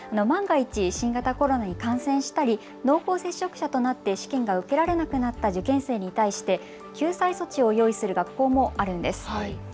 万が一、新型コロナに感染したり濃厚接触者となって試験が受けられなくなった受験生に対して救済措置を用意する学校もあるんです。